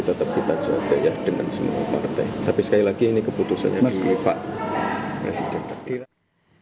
tetap kita jaga ya dengan semua partai tapi sekali lagi ini keputusan yang dipilih pak presiden